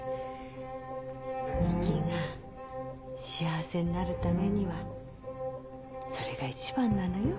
美希が幸せになるためにはそれが一番なのよ。